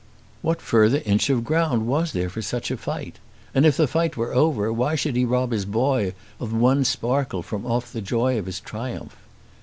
What further inch of ground was there for a fight? And if the fight were over, why should he rob his boy of one sparkle from off the joy of his triumph?